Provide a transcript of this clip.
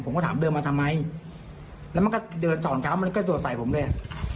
ผมก็ถามเดินมาทำไมแล้วมันก็เดินสอนเขามันกระโดดใส่ผมเลย